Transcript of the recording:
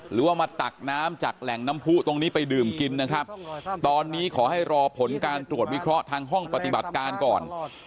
หรือว่ามาตักน้ำจากแหล่งน้ำผู้ตรงนี้ไปดื่มกินนะครับตอนนี้ขอให้รอผลการตรวจวิเคราะห์ทางห้องปฏิบัติการก่อน